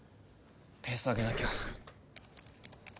ペース上げなきゃ。